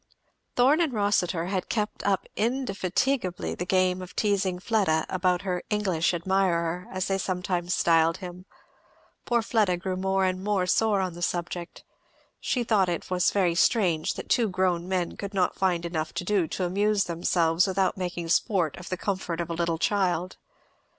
Thorn and Rossitur had kept up indefatigably the game of teasing Fleda about her "English admirer," as they sometimes styled him. Poor Fleda grew more and more sore on the subject. She thought it was very strange that two grown men could not find enough to do to amuse themselves without making sport of the comfort of a little child.